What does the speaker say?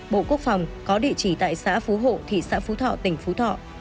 bộ quốc phòng có địa chỉ tại xã phú hộ thị xã phú thọ tỉnh phú thọ